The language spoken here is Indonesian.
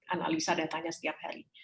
analisa datanya setiap hari